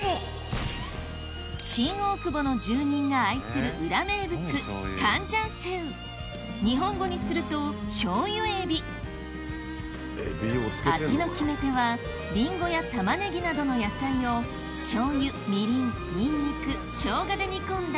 新大久保の住人が愛する日本語にすると醤油エビ味の決め手はリンゴやタマネギなどの野菜を醤油みりんニンニクショウガで煮込んだ